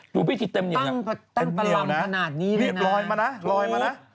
ตั้งตั้งประลำพ์ขนาดนี้เลยนะ